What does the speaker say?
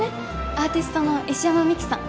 アーティストの石山未来さん